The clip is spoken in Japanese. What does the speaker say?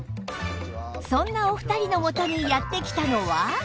そんなお二人のもとにやって来たのは